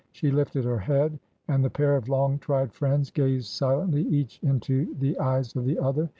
She lifted her head, and the pair of long tried friends gazed silently each into the eyes of the other.